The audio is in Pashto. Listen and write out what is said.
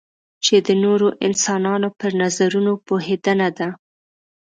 چې د نورو انسانانو پر نظرونو پوهېدنه ده.